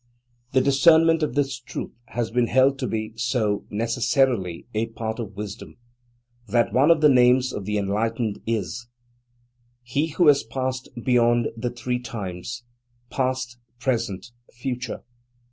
The discernment of this truth has been held to be so necessarily a part of wisdom, that one of the names of the Enlightened is: "he who has passed beyond the three times: past, present, future."